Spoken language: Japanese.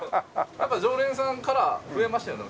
やっぱ常連さんから増えましたよね